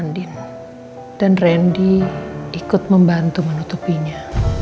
dan randy ikut membantu menutupinya